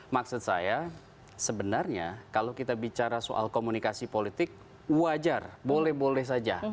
maksud saya sebenarnya kalau kita bicara soal komunikasi politik wajar boleh boleh saja